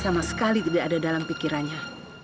sama sekali tidak ada dalam pikirannya